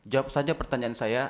jawab saja pertanyaan saya